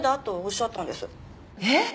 えっ？